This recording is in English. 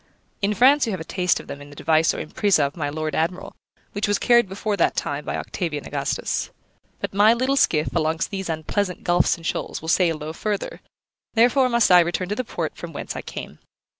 In France you have a taste of them in the device or impresa of my Lord Admiral, which was carried before that time by Octavian Augustus. But my little skiff alongst these unpleasant gulfs and shoals will sail no further, therefore must I return to the port from whence I came.